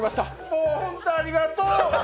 もうホントありがとう。